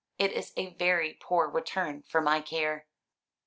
It is a very poor return for my care."